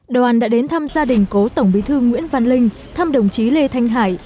đoàn đã đến thăm gia đình cố tổng bí thư nguyễn văn linh thăm đồng chí lê thanh hải